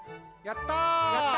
やった！